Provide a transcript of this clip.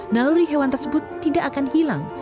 naluri hewan tersebut tidak akan hilang